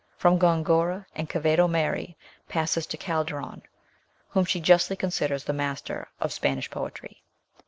From Gongora and Quevedo Mary passes to Calderon, whom she justly considers the master of Spanish poetry.